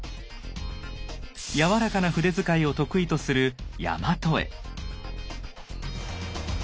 柔らかな筆遣いを得意とするやまと絵。